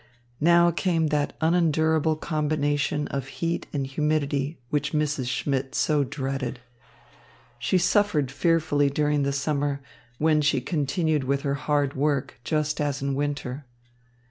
Now came that unendurable combination of heat and humidity which Mrs. Schmidt so dreaded. She suffered fearfully during the summer, when she continued with her hard work just as in winter.